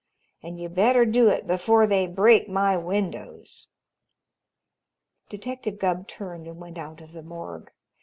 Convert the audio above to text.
And you better do it before they break my windows." Detective Gubb turned and went out of the morgue.